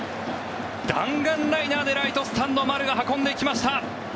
弾丸ライナーでライトスタンド丸が運んでいきました。